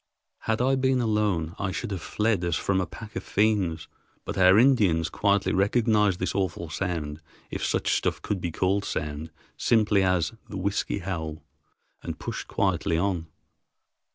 Had I been alone, I should have fled as from a pack of fiends, but our Indians quietly recognized this awful sound, if such stuff could be called sound, simply as the "whiskey howl" and pushed quietly on.